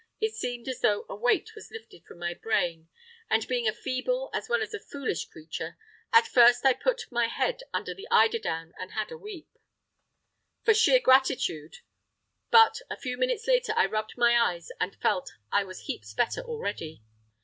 It seemed as though a weight was lifted from my brain, and being a feeble as well as a foolish creature, at first I put my head under the eiderdown and had a weep—for sheer gratitude; but a few minutes later I rubbed my eyes and felt I was heaps better already!